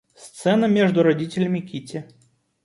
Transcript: Сцена между родителями Кити.